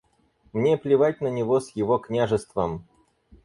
Мне плевать на него с его княжеством.